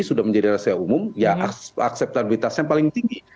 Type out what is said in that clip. sudah menjadi rahasia umum ya akseptabilitasnya paling tinggi